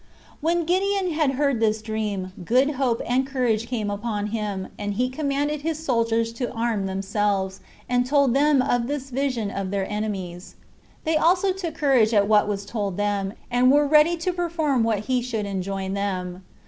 5. When Gideon had heard this dream, good hope and courage came upon him; and he commanded his soldiers to arm themselves, and told them of this vision of their enemies. They also took courage at what was told them, and were ready to perform what he should enjoin them.